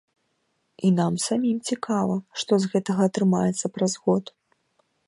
І нам самім цікава, што з гэтага атрымаецца праз год.